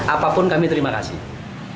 apapun kami terima kasih